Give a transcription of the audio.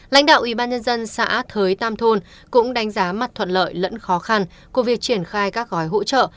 lãnh đạo ủy ban nhân dân xã thới tam thôn cũng đánh giá mặt thuận lợi lẫn khó khăn của việc triển khai các gói hỗ trợ